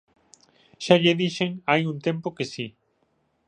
Xa lle dixen hai un tempo que si.